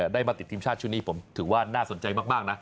ได้มาติดทีมชาติชุดนี้ผมถือว่าน่าสนใจมากนะ